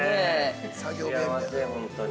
幸せ、本当に。